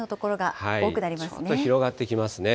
ちょっと広がってきますね。